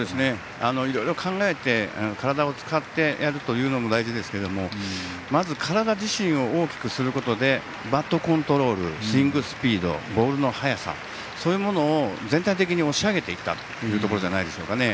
いろいろ考えて体を使ってやるというのも大事ですけれどもまず体自身を大きくすることでバットコントロールスイングスピードボールの速さといったものを全体的に押し上げていったというところじゃないでしょうか。